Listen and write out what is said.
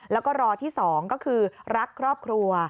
แล้วก็รอที่๒ก็คือรักครอบครัว